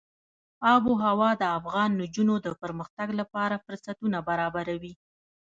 آب وهوا د افغان نجونو د پرمختګ لپاره فرصتونه برابروي.